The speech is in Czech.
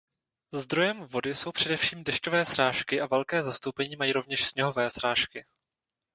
Zdrojem vody jsou především dešťové srážky a velké zastoupení mají rovněž sněhové srážky.